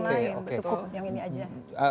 cukup yang ini aja